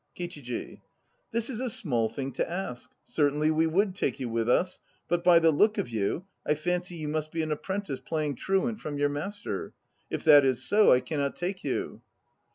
KICHIJI. That is a small thing to ask. Certainly we would take you with us ..., but by the look of you, I fancy you must be an apprentice playing truant from your master. If that is so, I cannot take you.